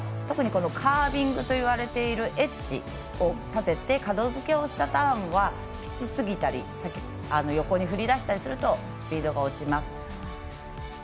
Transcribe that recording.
特にカービングといわれているエッジを立ててかどづけをしたターンはきつすぎたり横に振り出したりするとスピードが落ちます。